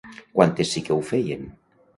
Quantes sí que ho feien?